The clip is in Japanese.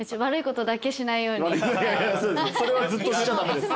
それはずっとしちゃ駄目です。